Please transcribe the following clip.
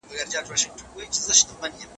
د قران کريم پيل په لوستلو سره سوی دی.